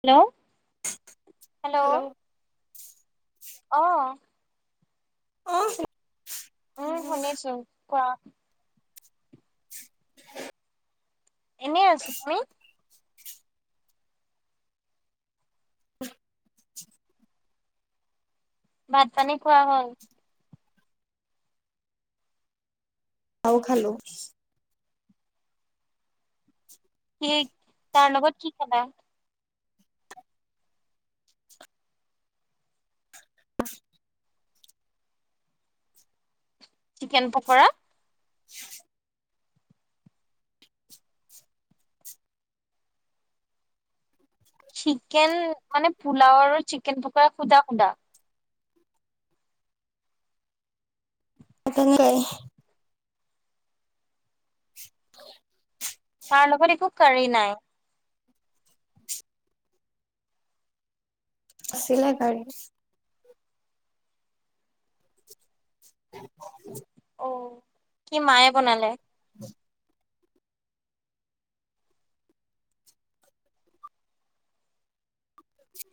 Hello hello অ', [inaudible] উম শুনিছো কোৱা। এনেই আছো, তুমি? [inaudible] [unintelligible] ভাত পানী খোৱা হল? ঔ খালো। কি তাৰ লগত কি খালা? [unintelligible] চিকেন পকৰা। চিকেন মানে পোলাও আৰু চিকেন পকৰা খুদা খুদা। [unintelligible] [inaudible] তাৰ লগত একো কাৰি নাই। চিলে কাৰি। [inaudible] অ', কি মায়ে বনালে? [inaudible]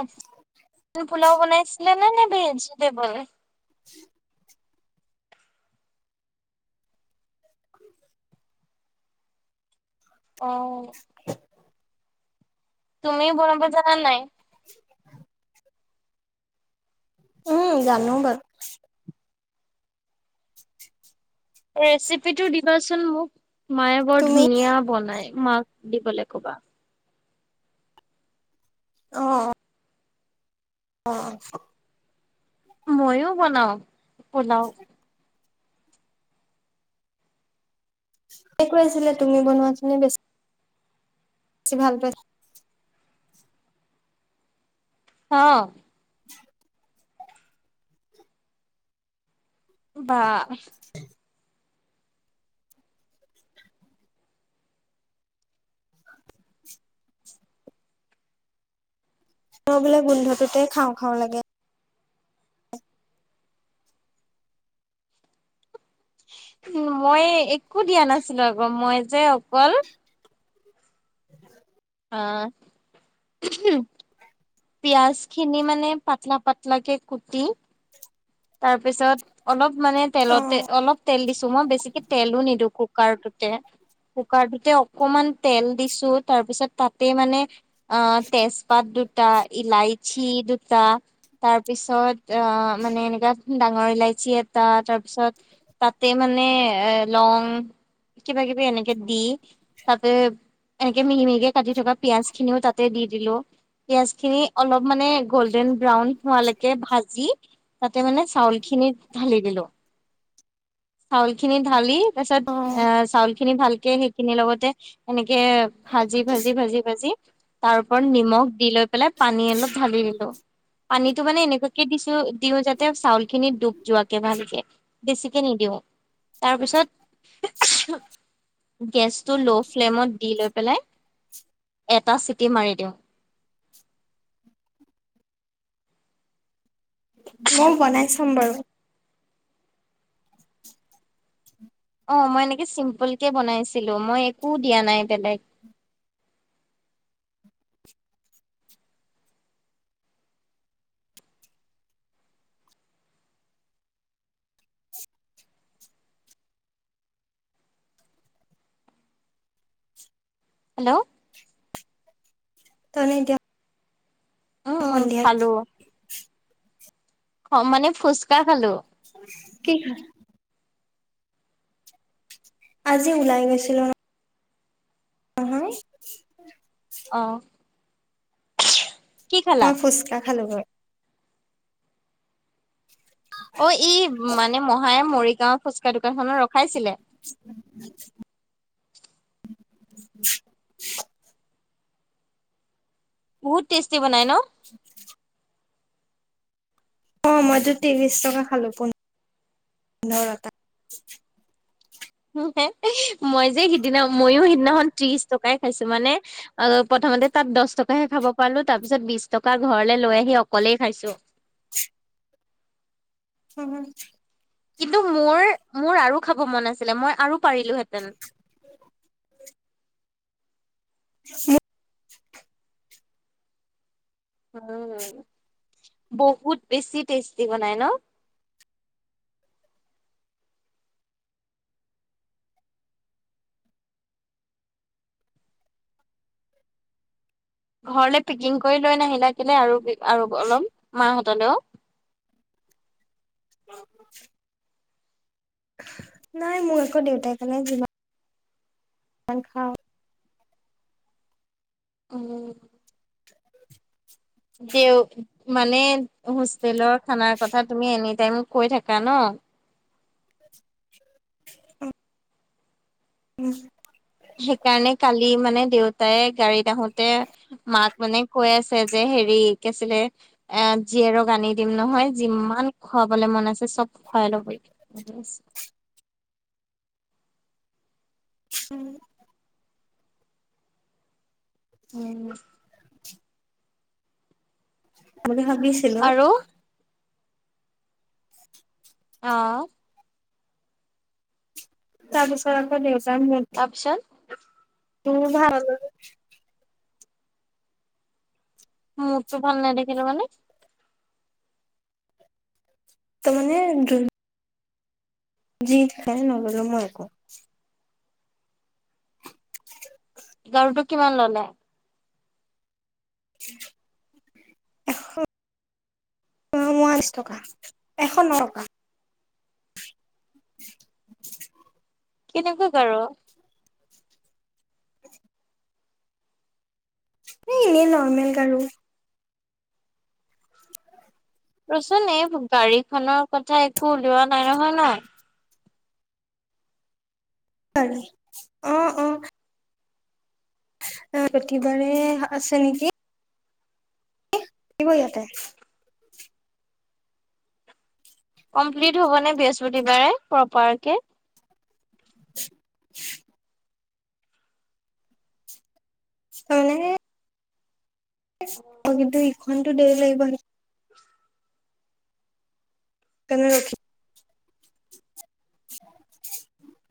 অঁ, পোলাও বনাইছিলে নে নে ভেজিটেবুল? অ', তুমি বনাব জানা নাই? [inaudible] উম জানো বাৰু ৰেচিপি টো দিবাচোন মোক। মায়ে বৰ তুমি ধুনীয়া বনায়। মাক দিবলৈ ক'বা। অ অ অ মইয়ো বনাওঁ। পোলাও। এ কৈ আছিলে তুমি বনোৱাজোনে বেছি বেছি ভাল পাই অ বা! [inaudible] মোৰ বোলে গোন্ধটোতে খাওঁ খাওঁ লাগে। মই একো দিয়া নাছিলোঁ, আকৌ মই যে, অকল [inaudible] অ [inaudible] পিয়াজ খিনি মানে, পাতলা পাতলা কে কুটি তাৰ পিছত অলপ মানে, অ তেলতে অলপ তেল দিছোঁ মই বেছিকে তেলো নিদিওঁ। কুকাৰটোতে কুকাৰটোতে অকমান তেল দিছোঁ। তাৰপিছত তাতে মানে অ তেজপাত দু টা, ইলাইচি দুটা। তাৰপিছত অ মানে এনে [unintelligible] ডাঙৰ ইলাচি এটা, তাৰপিছত তাতে মানে, এ লং কিবা কিবি এনেকে দি, তাতে এনেকে মিহি মিহিকে কাটি থকা পিয়াজ খিনিও তাতে দি দিলোঁ। পিয়াজ খিনি অলপ মানে গল্ডেন ব্ৰাউন হোৱালৈকে ভাজি তাতে মানে চাউল খিনি ঢালি দিলোঁ। চাউল খিনি ঢালি তাৰপাছত অ এ চাউল খিনি ভাল সেই সেইখিনিৰ লগতে এনেকে কে ভাজি, ভাজি, ভাজি, ভাজি তাৰ ওপৰত নিমখ দি লৈ পেলাই পানী অলপ ঢালি দিলোঁ। পানীটো মানে এনেকুৱাকে দিছোঁ, দিওঁ যাতে তে চাউল খিনি ডুব যোৱাকে ভালকে, বেছিকে নিদিওঁ। তাৰপিছত গেছটো ল' ফ্লেমত দি লৈ পেলাই এটা চিটি মাৰি দিওঁ। মই বনাই চাম বাৰু অ মই এনেকে চিম্পুল কে বনাইছিলোঁ। মই একো দিয়া নাই বেলেগ। হেল্ল' তুমি এতিয়া উম উম সন্ধিয়াই অ মানে ফুচকা খালোঁ। কি খা আজি ওলাই গৈছিলোঁ ন। অ হয়। অ কি খালা মই ফুচকা খালোগৈ। অ' ই মানে মহায়ে মৰি তেওঁ ফুচকা দোকান খনত ৰখাইছিলে। [inaudible] বহুত টেষ্টি বনাই ন? [inaudible] অ' মইতো ত্ৰিশ টকা খালো, পোন্ধ পোন্ধৰটা হে হে, মই যে সিদিনা ময়ো সিদিনাখন ত্ৰিশ টকাই খাইছো। মানে প্ৰথমতে তাত দশ টকাহে খাব পালো, তাৰ পিছত বিশ টকা ঘৰলে লৈ আহি অকলেই খাইছো। উম! কিন্তু মোৰ, মোৰ আৰু খাব মন আছিলে মই আৰু পাৰিলোহেঁতেন। উম উ! বহুত বেছি টেষ্টি বনাই ন? ঘৰলে পেকিং কৰি লৈ নাহিলা কেলে? আৰু আৰু অলপ মাহঁতলেও। [inaudible] নাই, মোৰ আকৌ দেউতাৰ কাৰণে যি খাও উম! [inaudible] দেও, মানে হোষ্টেলৰ খানাৰ কথা তুমি এনিটাইম কৈ থাকা ন। উম! সেইকাৰণে কালি মানে দেউতাই গাড়ীত আহোতে মাক মানে কৈ আছে, যে হেৰি কি আছিলে এ জীয়েৰক আনি দিম নহয় যিমান খুৱাবলৈ মন আছে চব খুৱাই লবি। তেনেকৈ কৈছে, উম! উম! বুলি ভাবিছিলো। আৰু অ '' [inaudible] [unintelligible] তাৰপিছত উম ভাল মোদটো ভাল নেদেখিলো মানে? তাৰ মানে যি খাই নললো মই একো। [inaudible] গাৰুটো কিমান ললে? এশ টকা, এশ ন টকা। [inaudible] কেনেকুৱা গাৰু এ' এনেই নৰ্মেল গাৰু ৰচোন, এই গাড়ী খনৰ কথা একো উলিওৱা নাই নহয় ন?? হয় অঁ অঁ বৃহস্পতিবাৰে আছে নেকি কি কৰি আছে কমপ্লিট হ'ব নে বৃহস্পতিবাৰে প্ৰপাৰকে [inaudible] মানে মই কিন্তু অলপমানটো দেৰি লাগিব ন [inaudible] সেইকাৰনে ৰখি [inaudible]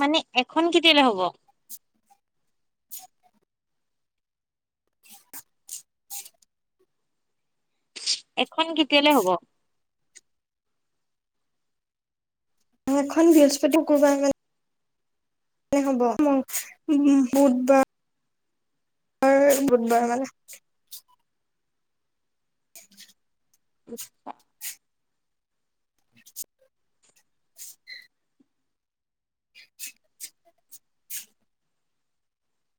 মানে এখন কেতিয়ালৈ হ'ব এখন কেতিয়ালৈ হব এখন বৃহস্পতি শুকুৰবাৰ মানে হ'ব উ বুধবাৰ বুধ বুধবাৰ মানে [unintelligible] উপ [inaudible]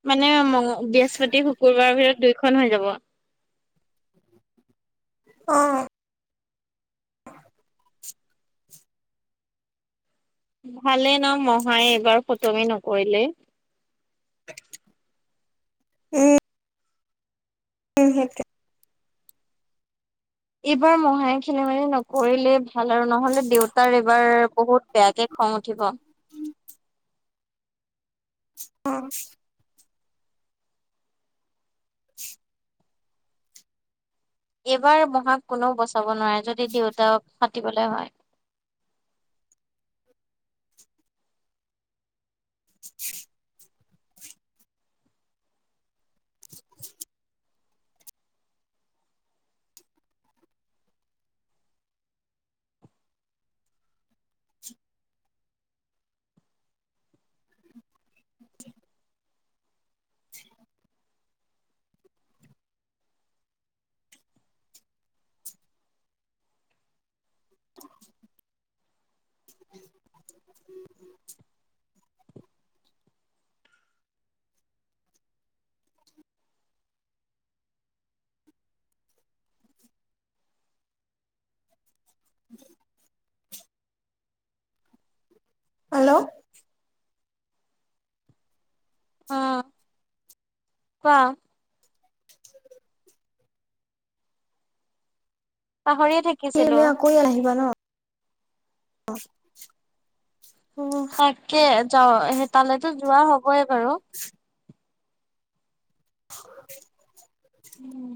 মানে ম বৃহস্পতি শুকুৰবাৰৰ ভিতৰত দুই ফোন হৈ যাব [inaudible] অ [inaudible] ভালে ন মহাই এইবাৰ ফটোমে ন কৰিলে [inaudible] উম [inaudible] উম সেইটো এইবাৰ মহহাই কেনে মে নকৰিলে ভাল আৰু নহ'লে দেউতাৰ এইবাৰ বহুত বেয়াকে খং উঠিব [inaudible] অ [inaudible] এইবাৰ মহাক কোনেও বচাব নোৱাৰে যদি দেউতাক ফাটিবলৈ হয় [inaudible] [unintelligible] [unintelligible] [unintelligible] উ [unintelligible] হেল্লো [inaudible] অহ কোৱা [inaudible] স পাহৰিয়ে থাকিছিলো তমি আকৌ ইয় আহিবা ন [unintelligible] অ [inaudible] তাকে যাও সেই তালৈকে যোৱা হওক। হবয়ে বাৰু। [unintelligible] উম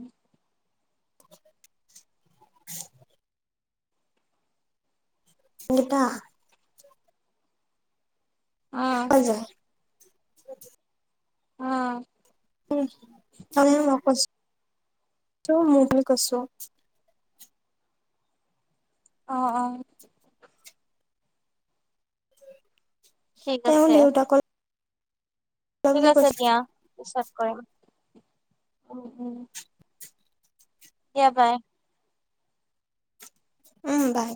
[unintelligible] [unintelligible] উম [unintelligible] [unintelligible] অ। উম মইও নকৈছো ত মোৰ বুলি কৈছো। অ অ। ঠিক তেওঁ আছে দেউতাকলৈ। ঠিক আছে দিয়া পিছত কৰিম। উম উম। দিয়া বাই। উম বাই।